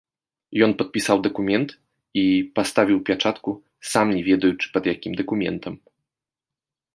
Ён падпісаў дакумент і паставіў пячатку, сам не ведаючы пад якім дакументам.